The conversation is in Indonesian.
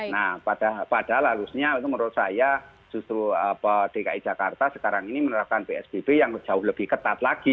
nah padahal harusnya itu menurut saya justru dki jakarta sekarang ini menerapkan psbb yang jauh lebih ketat lagi